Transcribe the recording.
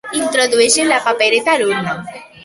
Introdueixen la papereta a l'urna.